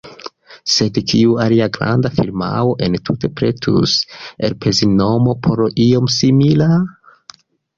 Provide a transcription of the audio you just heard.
Sed kiu alia granda firmao entute pretus elspezi monon por io simila?